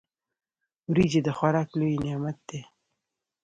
وريجي د خوراک لوی نعمت دی.